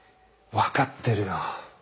分かってるよ。